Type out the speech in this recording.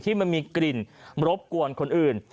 มันมีกลิ่นรบกวนคนอื่น